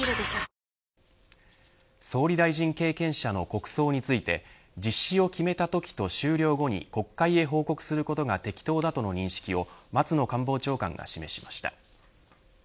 総理大臣経験者の国葬について実施を決めたときと終了後に国会へ報告することが適当だとの認識を松野官房長官が示しました。